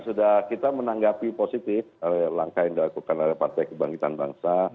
sudah kita menanggapi positif langkah yang dilakukan oleh partai kebangkitan bangsa